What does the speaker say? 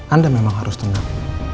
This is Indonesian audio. anda memang harus tenang